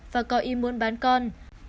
và có ý muốn bán con